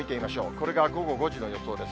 これが午後５時の予想です。